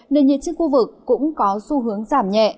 nền nhiệt trên khu vực cũng có xu hướng giảm nhẹ